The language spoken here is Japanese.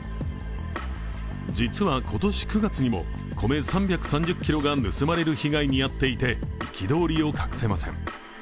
実は今年９月にも、米３３０ｋｇが盗まれる被害に遭っていて憤りを隠せません。